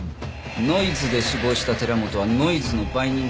ノイズで死亡した寺本はノイズの売人だった。